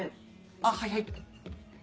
あっはいはい。